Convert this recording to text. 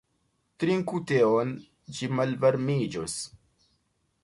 Trinku teon, ĝi malvarmiĝos.